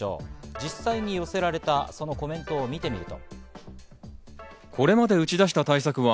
実際に寄せられたそのコメントを見てみると。